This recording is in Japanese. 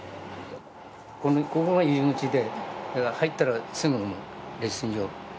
ここが入り口で、入ったらすぐレッスン場。